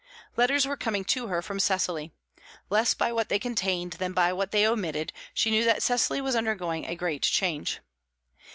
Letters were coming to her from Cecily. Less by what they contained than by what they omitted, she knew that Cecily was undergoing a great change.